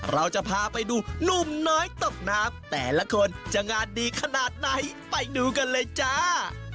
เราจะพาไปดูนุ่มน้อยตกน้ำแต่ละคนจะงานดีขนาดไหนไปดูกันเลยจ้า